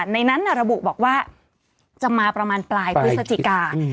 ในนั้นระบุบอกว่าจะมาประมาณปลายพฤศจิกา